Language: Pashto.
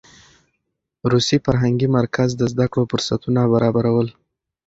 روسي فرهنګي مرکز د زده کړو فرصتونه برابرول.